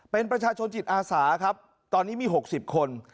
เป็นประชาชนจิตอาสาครับตอนนี้มี๖๐คน